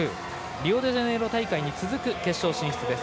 リオデジャネイロ大会に続く決勝進出です。